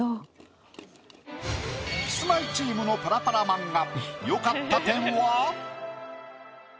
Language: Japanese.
キスマイチームのパラパラ漫画。